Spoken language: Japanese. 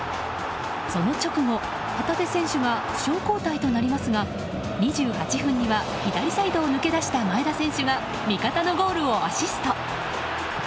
その直後、旗手選手が負傷交代となりますが２８分には左サイドを抜け出した前田選手が味方のゴールをアシスト。